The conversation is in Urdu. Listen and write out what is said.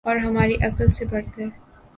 اور ہماری عقل سے بڑھ کر